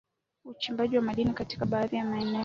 uchimbaji wa madini katika baadhi ya maeneo